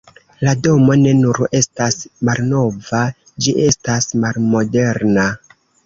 La domo ne nur estas malnova, ĝi estas malmoderna.